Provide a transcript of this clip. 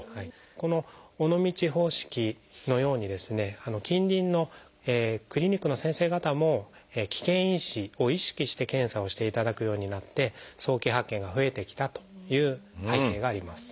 この尾道方式のように近隣のクリニックの先生方も危険因子を意識して検査をしていただくようになって早期発見が増えてきたという背景があります。